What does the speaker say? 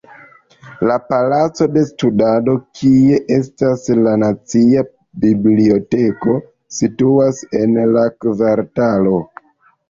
La palaco de studado, kie estas la nacia biblioteko situas en la kvartalo.